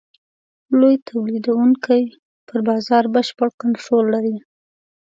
لوی تولیدوونکي پر بازار بشپړ کنټرول لري.